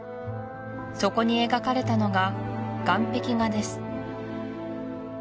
そこに描かれたのが岩壁画です